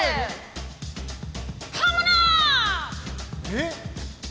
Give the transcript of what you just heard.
えっ！？